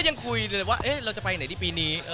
ก็ยังคุยเลยว่าเอ๊ะเราจะไปไหนที่ปีนี้เออ